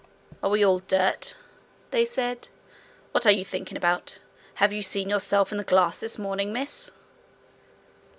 'Are we all dirt?' they said. 'What are you thinking about? Have you seen yourself in the glass this morning, miss?'